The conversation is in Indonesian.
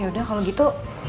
yaudah kalo gitu